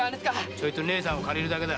ちょいと姉さんを借りるだけだ。